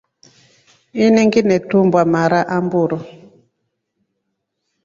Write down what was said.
Ini ninginetumba mara amburu.